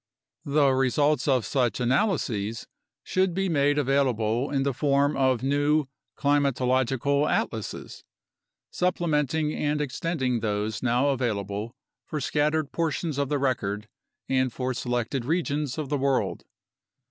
The results of such analyses should be made available in the form of new climatological atlases, supplementing and extending those now available for scattered portions of the record and for selected regions of the world.